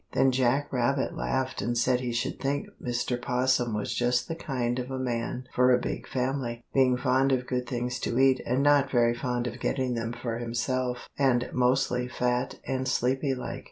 Then Jack Rabbit laughed and said he should think Mr. 'Possum was just the kind of a man for a big family, being fond of good things to eat and not very fond of getting them for himself, and mostly fat and sleepy like.